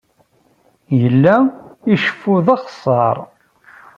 Yella iceffu d axeṣṣar.